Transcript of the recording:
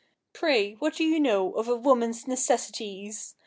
Pray, what do you know of a woman's necessities?